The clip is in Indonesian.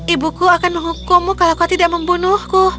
ibuku akan menghukummu kalau kau tidak membunuhku